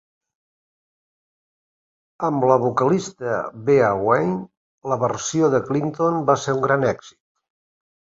Amb la vocalista Bea Wain, la versió de Clinton va ser un gran èxit.